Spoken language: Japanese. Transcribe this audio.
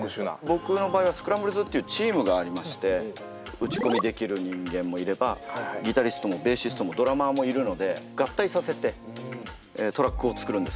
僕の場合はスクランブルズっていうチームがありまして打ち込みできる人間もいればギタリストもベーシストもドラマーもいるので合体させてトラックを作るんですね。